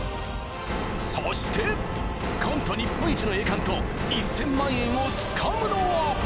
そしてコント日本一の栄冠と１０００万円をつかむのは！